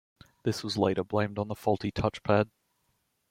This was later blamed on the faulty touchpad.